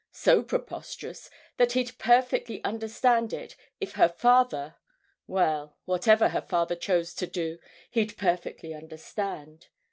So preposterous that he'd perfectly understand it if her father—well, whatever her father chose to do he'd perfectly understand.